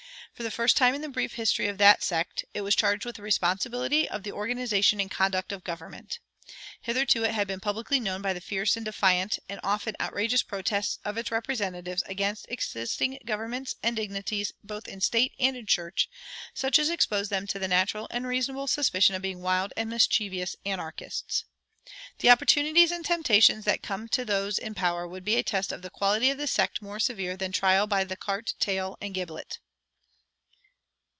For the first time in the brief history of that sect, it was charged with the responsibility of the organization and conduct of government. Hitherto it had been publicly known by the fierce and defiant and often outrageous protests of its representatives against existing governments and dignities both in state and in church, such as exposed them to the natural and reasonable suspicion of being wild and mischievous anarchists. The opportunities and temptations that come to those in power would be a test of the quality of the sect more severe than trial by the cart tail and the gibbet.